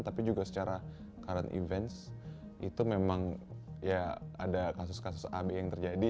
tapi juga secara current events itu memang ya ada kasus kasus ab yang terjadi